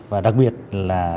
và đặc biệt là